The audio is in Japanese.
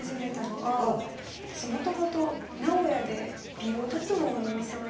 もともと名古屋で美容脱毛のお店を。